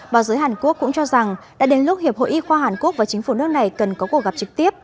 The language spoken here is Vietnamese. báo giới hàn quốc cũng cho rằng đã đến lúc hiệp hội y khoa hàn quốc và chính phủ nước này cần có cuộc gặp trực tiếp